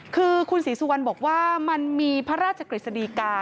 คือคุณศรีสุวรรณบอกว่ามันมีพระราชกฤษฎีกา